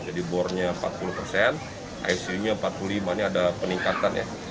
jadi bornya empat puluh persen icu nya empat puluh lima ini ada peningkatan ya